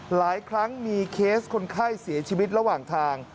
หลายครั้งมีเคสคนไข้เสียชีวิตระหว่างทาง